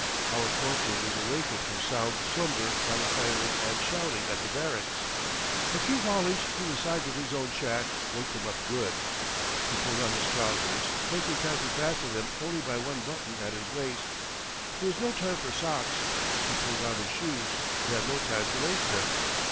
Our corporal was awakened from sound slumber by the firing and shouting at the barracks. A few volleys through the sides of his own shack waked him up good. He pulled on his trousers, taking time to fasten them only by one button at his waist. There was no time for socks; he pulled on his shoes, but had no time to lace them.